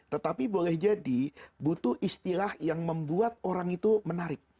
tetapi boleh jadi butuh istilah yang membuat orang itu menarik